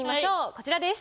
こちらです。